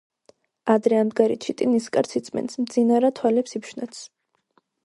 ადრე ამდგარი ჩიტი ნისკარტს იწმენდს, მძინარა - თვალებს იფშვნეტს.